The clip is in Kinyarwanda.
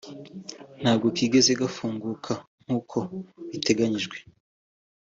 ntabwo kigeze gafunguka nk’uko biteganyijwe